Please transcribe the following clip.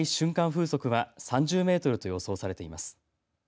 風速は３０メートルと予想されています。